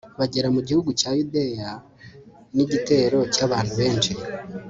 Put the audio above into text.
bagera mu gihugu cya yudeya n'igitero cy'abantu benshi